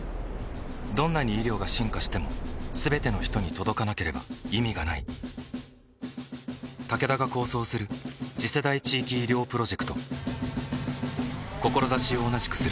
どんなに医療が進化しても全ての人に届かなければ意味がないタケダが構想する次世代地域医療プロジェクト志を同じくするあらゆるパートナーと手を組んで実用化に挑む